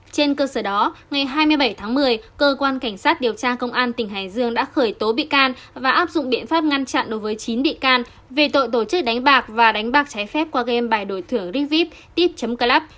trên cơ sở đó ngày hai mươi bảy tháng một mươi cơ quan cảnh sát điều tra công an tỉnh hải dương đã khởi tố bị can và áp dụng biện pháp ngăn chặn đối với chín bị can về tội tổ chức đánh bạc và đánh bạc trái phép qua game bài đổi thửa rigvip tip club